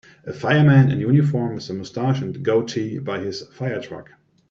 a fireman in uniform with a mustache and goatee by his firetruck.